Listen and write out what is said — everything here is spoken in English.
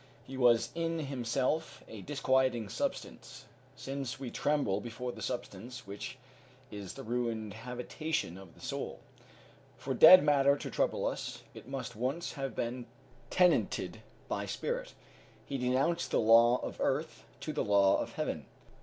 He was in himself a disquieting substance, since we tremble before the substance which is the ruined habitation of the soul. For dead matter to trouble us, it must once have been tenanted by spirit. He denounced the law of earth to the law of Heaven.